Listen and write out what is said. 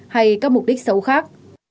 hay các mục đích xấu khác